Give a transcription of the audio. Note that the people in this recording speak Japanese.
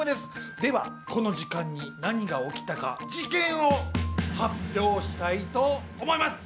では、この時間に何が起きたか、事件を発表したいと思います。